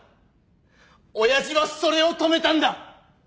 親父はそれを止めたんだ！